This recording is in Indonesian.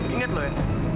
ingat lu ya